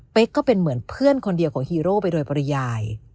ก็เป็นเหมือนเพื่อนคนเดียวของฮีโร่ไปโดยปริยาย